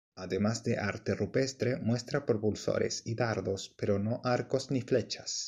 Además de arte rupestre muestra propulsores y dardos, pero no arcos ni flechas.